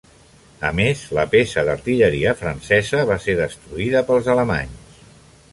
A més, la peça d'artilleria francesa va ser destruïda pels alemanys.